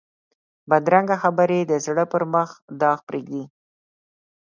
بدرنګه خبرې د زړه پر مخ داغ پرېږدي